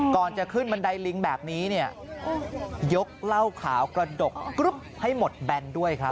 ก่อนจะขึ้นบันไดลิงแบบนี้เนี่ยยกเหล้าขาวกระดกรุ๊ปให้หมดแบนด้วยครับ